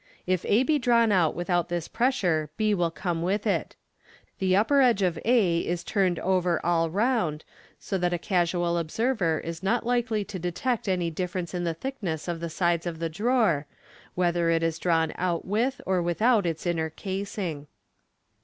If a be drawn out without this pressure, b will come with it. The upper edge of a is turned over all round, so that a casual observer is not likely to detect any difference in the thickness of the sides of the diawer, whether it is drawn out with or without its inner casing.